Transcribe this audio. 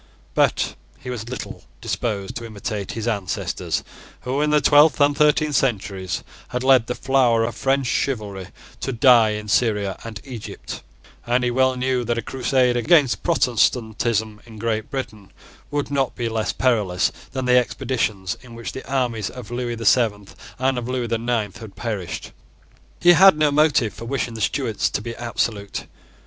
But he was little disposed to imitate his ancestors who, in the twelfth and thirteenth centuries, had led the flower of French chivalry to die in Syria and Egypt: and he well knew that a crusade against Protestantism in Great Britain would not be less perilous than the expeditions in which the armies of Lewis the Seventh and of Lewis the Ninth had perished. He had no motive for wishing the Stuarts to be absolute.